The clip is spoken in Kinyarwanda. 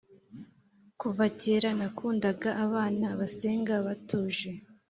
kuva kera nakundaga abana basenga batuje